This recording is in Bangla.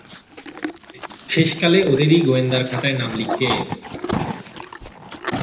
শেষকালে ওদেরই গোয়েন্দার খাতায় নাম লিখিয়ে এলুম।